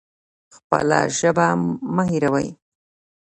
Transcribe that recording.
خپله ژبه مه هیروئ